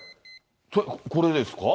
これでですか？